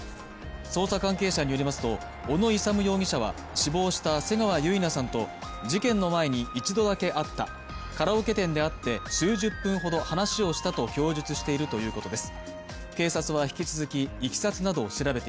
捜査関係者によりますと、小野勇容疑者は死亡した瀬川結菜さんと事件の前に一度だけ会った、カラオケ店で会って数十分ほど話をしたと供述してしいるということです。